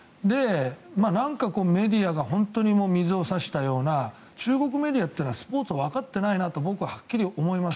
なんかメディアが本当に水を差したような中国メディアというのはスポーツわかってないなと僕ははっきり思います。